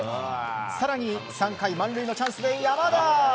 更に３回満塁のチャンスで山田。